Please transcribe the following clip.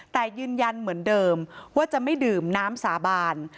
แต่ยืนยันเหมือนเดิมว่าจะไม่ดื่มน้ำสาบาน